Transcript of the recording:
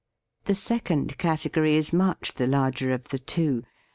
The second cate gory is much the larger of the two.